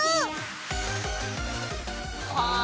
はあ！